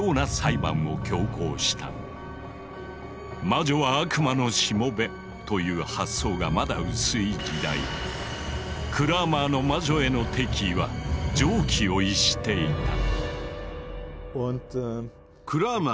魔女は悪魔のしもべという発想がまだ薄い時代クラーマーの魔女への敵意は常軌を逸していた。